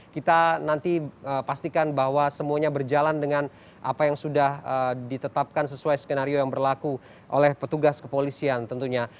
kita nanti pastikan bahwa semuanya berjalan dengan apa yang sudah ditetapkan sesuai skenario yang berlaku oleh petugas kepolisian tentunya